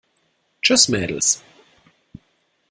Tschüss, Mädels!